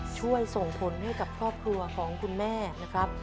ช่วยส่งผลให้กับครอบครัวของคุณแม่นะครับ